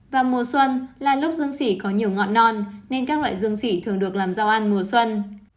và mùa xuân là lúc dương xỉ có nhiều ngọn non nên các loại dương sỉ thường được làm rau ăn mùa xuân